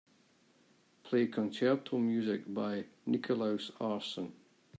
Play concerto music by Nicholaus Arson.